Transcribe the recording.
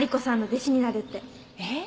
えっ？